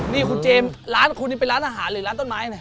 นี่คุณเจมส์ร้านคุณเป็นร้านอาหารหรือต้นไม้